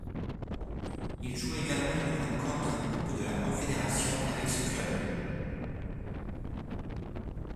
Il joue également une rencontre en Coupe de la confédération avec ce club.